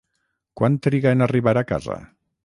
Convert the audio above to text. Quant triga en arribar a casa?